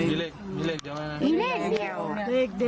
มีเลขเดียวด้วยเด่นเด่น